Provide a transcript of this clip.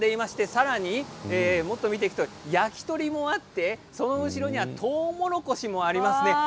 さらに求めていくと焼き鳥もあってその後ろにはとうもろこしもあります。